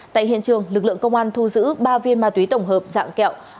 tại hiện trường lực lượng công an thu giữ ba viên ma túy tổng hợp dạng kẹo